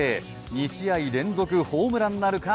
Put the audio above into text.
２試合連続ホームランなるか。